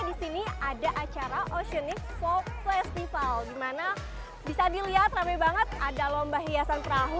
di sini ada acara oceanic folk festival dimana bisa dilihat rame banget ada lomba hiasan perahu